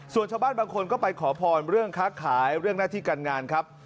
ส่วนชาวบ้านบางคนก็ไปขอพรเรื่องค้าขายเรื่องหน้าที่การงานครับ